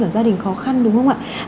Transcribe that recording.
và gia đình khó khăn đúng không ạ